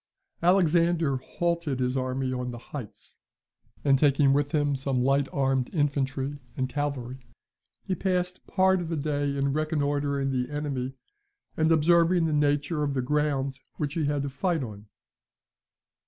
Alexander halted his army on the heights; and taking with him some light armed infantry and some cavalry, he passed part of the day in reconnoitring the enemy, and observing the nature of the ground which he had to fight on.